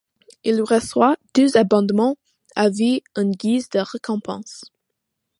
Il reçoit deux abonnements à vie en guise de récompense.